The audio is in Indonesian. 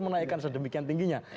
menaikkan sedemikian tingginya